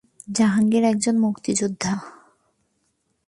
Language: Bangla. জাহাঙ্গীর একজন মুক্তিযোদ্ধা।